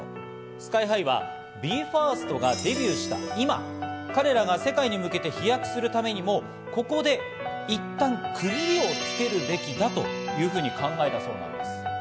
ＳＫＹ−ＨＩはＢＥ：ＦＩＲＳＴがデビューした今、彼らが世界に向けて飛躍するためにも、ここでいったん区切りをつけるべきだというふうに考えたそうです。